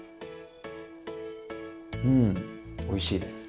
うんおいしいです。